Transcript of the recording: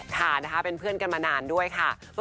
ค่ะนะคะเป็นเพื่อนกันมานานด้วยค่ะ